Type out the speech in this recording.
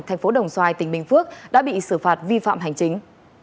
thành phố đồng xoài tỉnh bình phước đã bị xử phạt vi phạm hành chính